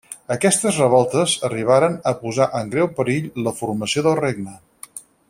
Aquestes revoltes arribaren a posar en greu perill la formació del regne.